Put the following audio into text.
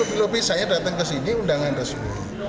lobby lobby saya datang kesini undangan resmi